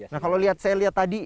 nah kalau saya lihat tadi